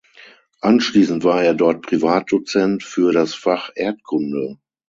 Anschließend war er dort Privatdozent für das Fach Erdkunde.